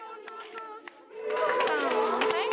さんはい！